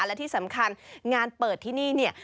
และที่สำคัญงานเปิดที่นี่เนี่ย